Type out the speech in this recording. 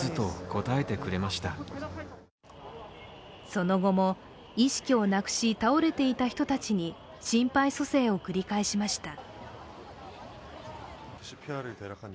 その後も意識をなくし倒れていた人たちに心肺蘇生を繰り返しました。